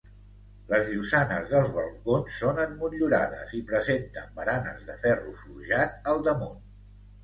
Les llosanes dels balcons són emmotllurades i presenten baranes de ferro forjat al damunt.